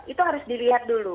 itu harus dilihat dulu